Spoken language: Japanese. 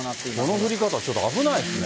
この降り方はちょっと危ないですね。